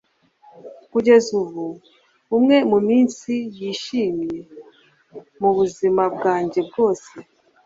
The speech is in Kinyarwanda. Kugeza ubu umwe mu minsi yishimye mubuzima bwanjye bwose